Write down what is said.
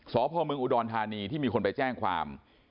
สพเมืองอุดรธานีที่มีคนไปแจ้งความ